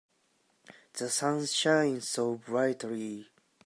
The sun shines so brightly.